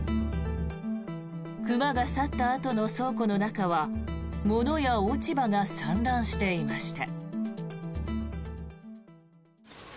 熊が去ったあとの倉庫の中は物や落ち葉が散乱していました。